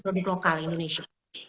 nah ini juga adalah hal indonesia